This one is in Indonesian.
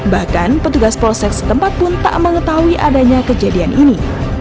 bahkan petugas polsek setempat pun tak mengetahui adanya kejadian ini